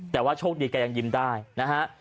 แต่ว่าโชคดีแกยังยิ้มได้นะฮะ